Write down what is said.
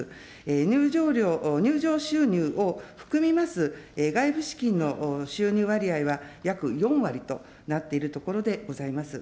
入場料、入場収入を含みます外部資金の収入割合は、約４割となっているところでございます。